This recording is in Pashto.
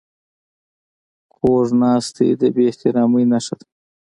کوږ ناستی د بې احترامي نښه ده